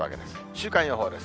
週間予報です。